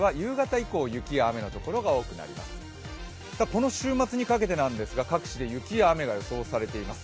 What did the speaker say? この週末にかけてなんですが各地で雪や雨が予想されています。